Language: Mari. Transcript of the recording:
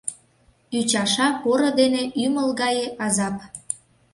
Ӱчаша поро дене ӱмыл гае азап.